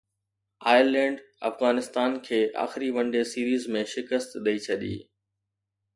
Ireland Afghanistan کي آخري one day series ۾ شڪست ڏئي ڇڏي